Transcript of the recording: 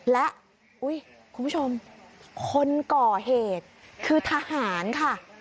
และคุณผู้ชมคนก่อเหตุคือทหารค่ะ